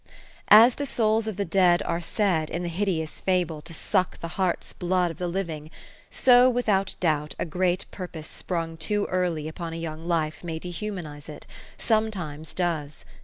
'' As the souls of the dead are said, in the hideous fable, to suck the heart's blood of the living, so, without doubt, a great purpose sprung too early upon a young life may dehumanize it, sometimes does.